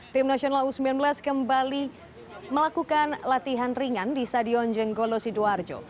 tim nasional u sembilan belas kembali melakukan latihan ringan di stadion jenggolo sidoarjo